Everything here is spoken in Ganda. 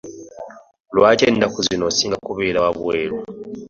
Lwaki ennaku zino osinga kubeera wabweru?